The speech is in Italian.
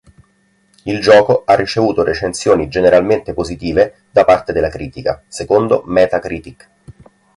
Il gioco ha ricevuto recensioni generalmente positive da parte della critica secondo Metacritic.